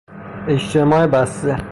اجتماع بسته